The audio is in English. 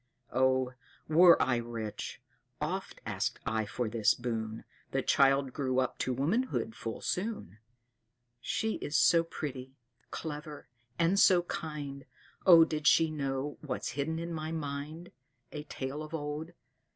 "Oh, were I rich! Oft asked I for this boon. The child grew up to womanhood full soon. She is so pretty, clever, and so kind Oh, did she know what's hidden in my mind A tale of old.